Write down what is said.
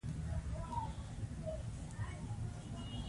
اداري شفافیت باور پیاوړی کوي